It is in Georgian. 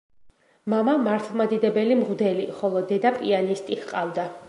მამა მართლმადიდებელი მღვდელი, ხოლო დედა პიანისტი ჰყავდა.